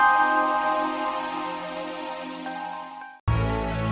hantar anak kami ke rumah